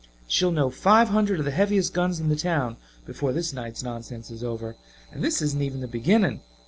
She'll know five hundred of the heaviest guns in the town before this night's nonsense is over. And this isn't even the beginning.